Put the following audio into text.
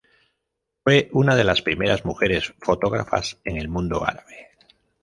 Fue una de las primeras mujeres fotógrafas en el mundo árabe.